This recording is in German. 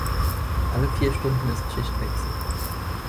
Alle vier Stunden ist Schichtwechsel.